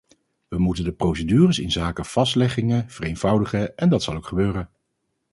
Wij moeten de procedures inzake vastleggingen vereenvoudigen en dat zal ook gebeuren.